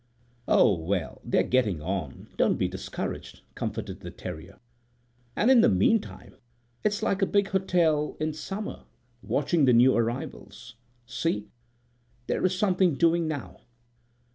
< 5 > "Oh, well, they're getting on. Don't be discouraged," comforted the terrier. "And in the meantime it's like a big hotel in summer—watching the new arrivals. See, there is something doing now."